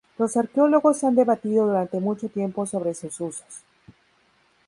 Los arqueólogos han debatido durante mucho tiempo sobre sus usos.